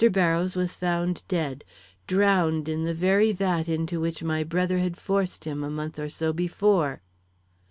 Barrows was found dead, drowned in the very vat into which my brother had forced him a month or so before.